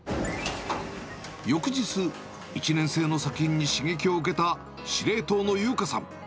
翌日、１年生の作品に刺激を受けた司令塔の悠加さん。